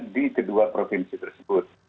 di kedua provinsi tersebut